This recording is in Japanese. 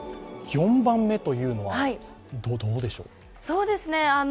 ４番目というのはどうでしょう？